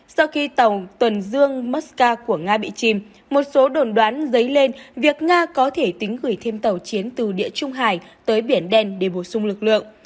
sau khi tàu tuần dương maska của nga bị chìm một số đồn đoán dấy lên việc nga có thể tính gửi thêm tàu chiến từ địa trung hải tới biển đen để bổ sung lực lượng